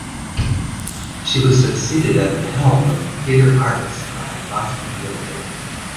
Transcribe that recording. She was succeeded at the helm of "Theatre Arts" by Rosamund Gilder.